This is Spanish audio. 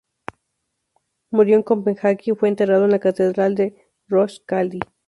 Murió en Copenhague y fue enterrada en la Catedral de Roskilde.